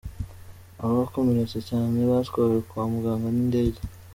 Abakomeretse cyane batwawe kwa muganga n’indege.